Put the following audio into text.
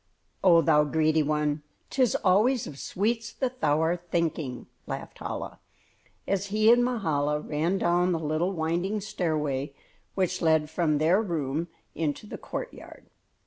"Oh, thou greedy one! 'Tis always of sweets that thou art thinking," laughed Chola, as he and Mahala ran down the little winding stairway which led from their room into the courtyard.